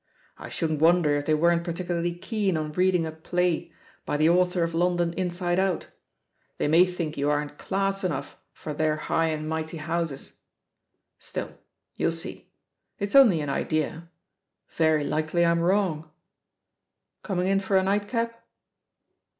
I shouldn't wonder if they weren't particularly keen on reading a play by the author of London Inside Out; they may think you aren't class enough for their high and mighty houses. Still, you'll see; it's only an idea — ^very likely, I'm wrong Coming in for a nightcap?'